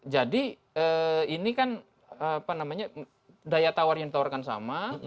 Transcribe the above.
jadi ini kan apa namanya daya tawar yang ditawarkan sama